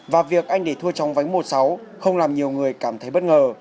và việc anh để thua trong vánh một sáu không làm nhiều người cảm thấy bất ngờ